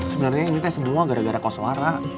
sebenernya ini teh semua gara gara kau suara